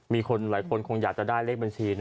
มีคนหลายคนคงอยากจะได้เลขบัญชี